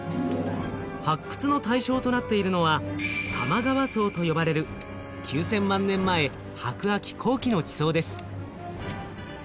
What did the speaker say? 発掘の対象となっているのは玉川層と呼ばれる９，０００万年前白亜紀後期の地層です。